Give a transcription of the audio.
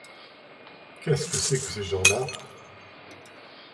Qu'est-ce que c'est que ces gens là ?